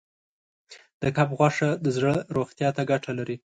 د کب غوښه د زړه روغتیا ته ګټه لري.